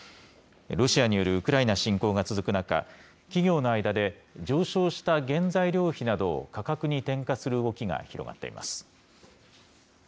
ロシアによるウクライナ侵攻が続く中、企業の間で上昇した原材料費などを価格に転嫁する動きが広がっています。